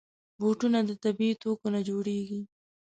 بوټونه د طبعي توکو نه جوړېږي.